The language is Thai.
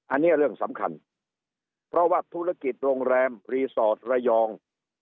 อันนี้เรื่องสำคัญเพราะว่าธุรกิจโรงแรมรีสอร์ทระยอง